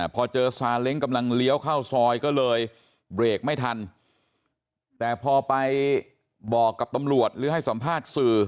พอเจอซาเล้งกำลังเลี้ยวเข้าซอยก็เลยเบรกไม่ทันแต่พอไปบอกกับตำรวจหรือให้สัมภาษณ์สื่อ